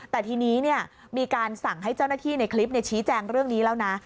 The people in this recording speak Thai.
แต่ทีนี้มีการสั่งให้เจ้าหน้าที่ในคลิปชี้แจงเรื่องนี้แล้วนะ